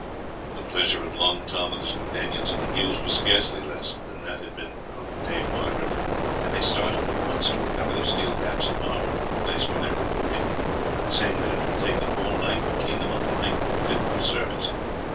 The pleasure of Long Tom and his companions at the news was scarcely less than had been that of Dame Margaret, and they started at once to recover their steel caps and armour from the place where they had been hidden, saying that it would take them all night to clean them up and make them fit for service.